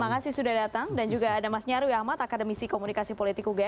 terima kasih sudah datang dan juga ada mas nyarwi ahmad akademisi komunikasi politik ugm